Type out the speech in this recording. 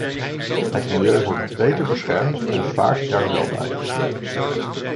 Het milieu wordt beter beschermd en vaart daar wel bij.